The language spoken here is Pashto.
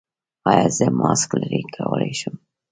ایا زه ماسک لرې کولی شم؟